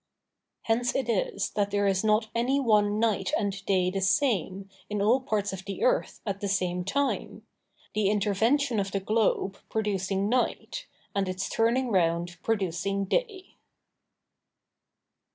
Hence it is that there is not any one night and day the same, in all parts of the earth, at the same time; the intervention of the globe producing night, and its turning round producing day.